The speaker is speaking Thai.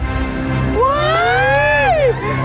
ใจเย็นนะ